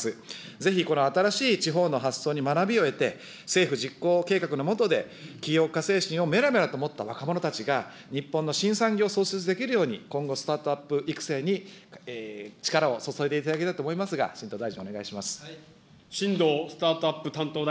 ぜひこの新しい地方の発想に学びを得て、政府実行計画の下で、起業家精神をめらめらと持った若者たちが、日本の新産業創出できるように、今後、スタートアップ育成に力を注いでいただけたらと思いますが、新藤大臣、お願いします。